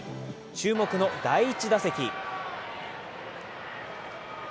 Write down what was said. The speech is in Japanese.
注目の第１打席。